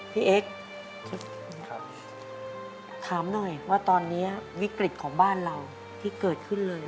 เอ็กซ์ถามหน่อยว่าตอนนี้วิกฤตของบ้านเราที่เกิดขึ้นเลย